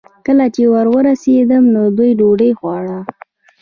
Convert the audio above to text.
کله چې ور ورسېدم، نو دوی ډوډۍ خوړه.